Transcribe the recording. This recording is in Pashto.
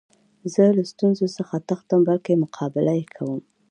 زه له ستونزو څخه تښتم؛ بلکي مقابله ئې کوم.